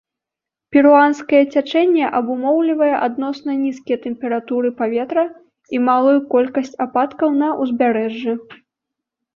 Перуанскае цячэнне абумоўлівае адносна нізкія тэмпературы паветра і малую колькасць ападкаў на ўзбярэжжы.